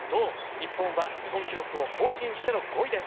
日本は日本記録を更新しての５位です。